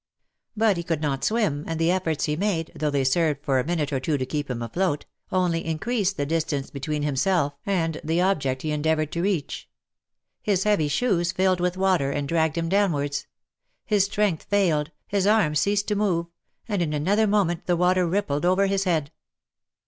But he could not swim, and the efforts he made, though they served for a minute or two to keep him afloat, only increased the distance between /■''?//' t OF MICHAEL ARMSTRONG. 301 himself and the object he endeavoured to reach. His heavy shoes filled with water, and dragged him downwards — his strength failed, his arms ceased to move, and in another moment the water rippled over his head.